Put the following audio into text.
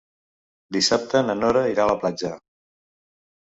Dissabte na Nora irà a la platja.